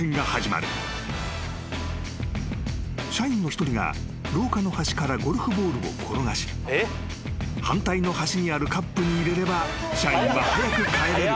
［社員の一人が廊下の端からゴルフボールを転がし反対の端にあるカップに入れれば社員は早く帰れる。